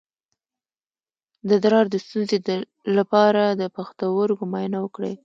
د ادرار د ستونزې لپاره د پښتورګو معاینه وکړئ